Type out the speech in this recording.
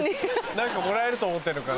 何かもらえると思ってるのかな。